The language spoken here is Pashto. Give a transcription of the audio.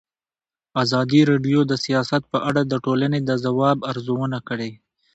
ازادي راډیو د سیاست په اړه د ټولنې د ځواب ارزونه کړې.